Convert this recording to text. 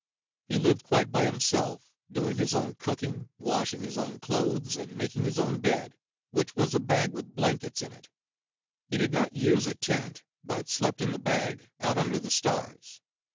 He lived quite by himself, doing his own cooking, washing his own clothes, and making his own bed, which was a bag with blankets in it. He did not use a tent, but slept in the bag out under the stars.